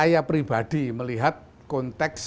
lalu kita bisa bicara normalisasi hubungan indonesia israel